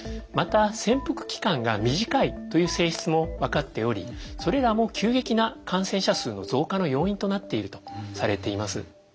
また潜伏期間が短いという性質も分かっておりそれらも急激な感染者数の増加の要因となっているとされています。